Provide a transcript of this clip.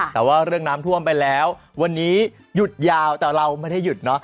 แต่ว่าเรื่องน้ำท่วมไปแล้ววันนี้หยุดยาวแต่เราไม่ได้หยุดเนอะ